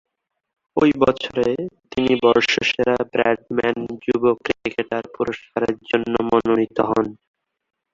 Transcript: ঐ বছরে তিনি বর্ষসেরা ব্র্যাডম্যান যুব ক্রিকেটার পুরস্কারের জন্য মনোনীত হন।